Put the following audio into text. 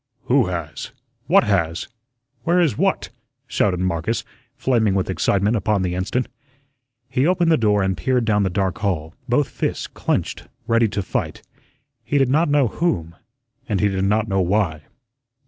"Who has? What has? Where is what?" shouted Marcus, flaming with excitement upon the instant. He opened the door and peered down the dark hall, both fists clenched, ready to fight he did not know whom, and he did not know why.